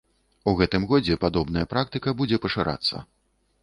У гэтым годзе падобная практыка будзе пашырацца.